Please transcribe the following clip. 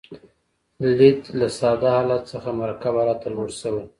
لید له ساده حالت څخه مرکب حالت ته لوړ شوی.